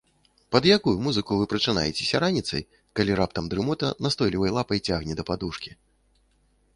Пад якую музыку вы прачынаецеся раніцай, калі раптам дрымота настойлівай лапай цягне да падушкі?